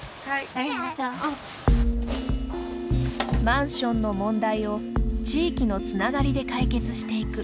マンションの問題を地域のつながりで解決していく。